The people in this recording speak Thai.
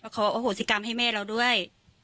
ขออโหสิกรรมให้แม่เราด้วย